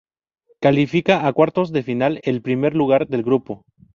Califica a cuartos de final el primer lugar del grupo.